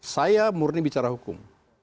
saya murni bicara hukum